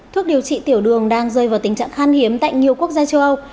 thuốc điều trị tiểu đường đang rơi vào tình trạng khan hiếm tại nhiều quốc gia châu âu